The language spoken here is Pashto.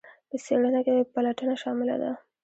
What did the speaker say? په څیړنه کې پلټنه شامله ده.